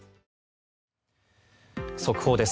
速報です。